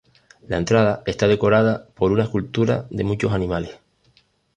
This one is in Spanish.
La entrada está decorada por una escultura de muchos animales.